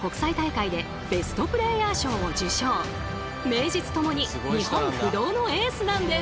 これまで名実ともに日本不動のエースなんです。